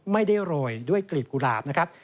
ไม่ได้โรยด้วยกลีบกุหลาบนะครับ